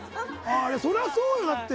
それはそうよ、だって。